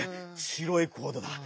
白いコードだ。